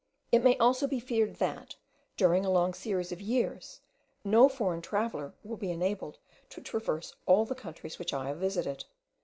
It may also be feared that, during a long series of years, no foreign traveller will be enabled to traverse all the countries which I have visited.